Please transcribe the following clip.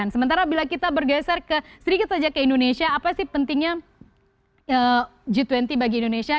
sementara bila kita bergeser sedikit saja ke indonesia apa sih pentingnya g dua puluh bagi indonesia